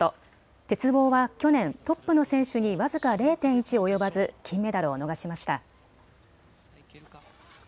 鉄棒は去年トップの選手に僅か０．１及ばず金メダルを逃しました。